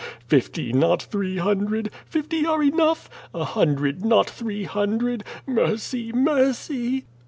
Fifty, not three hundred! Fifty are enough. A hundred, not three hundred! Mercy, mercy!"